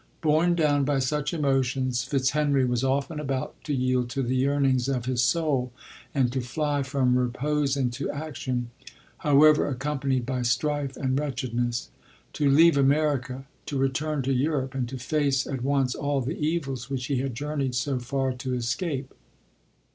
Borne down by such emotions, Fitzhenry was often about to yield to the yearn ings of his soul, and to fly from repose into ac tion, however accompanied by strife and wretch edness; to leave America, to return to Europe, and to face at once all the evils which he had journeyed so far to escape.